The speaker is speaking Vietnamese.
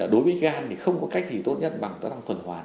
đối với gan thì không có cách gì tốt nhất bằng tầm tuần hoàn